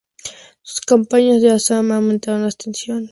Sus campañas en Assam aumentaron las tensiones.